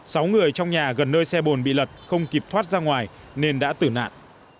sáu người trong nhà gần nơi xe bồn bị lật không kịp thoát ra ngoài nên đã tử nạn